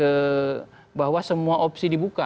ke bahwa semua opsi dibuka